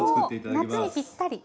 夏にぴったり！